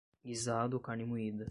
Guisado ou carne moída